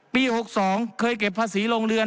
๖๒เคยเก็บภาษีโรงเรือน